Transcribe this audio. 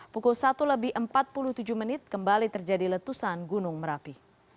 pukul satu lebih empat puluh tujuh menit kembali terjadi letusan gunung merapi